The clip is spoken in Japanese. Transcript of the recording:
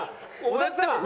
小田さん！